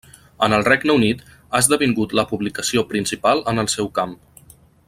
En el Regne Unit, ha esdevingut la publicació principal en el seu camp.